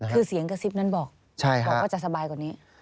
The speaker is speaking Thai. คือเสียงกระซิบนั้นบอกบอกว่าจะสบายกว่านี้